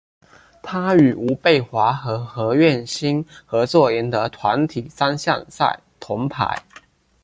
他与吴蓓华和何苑欣合作赢得团体三项赛铜牌。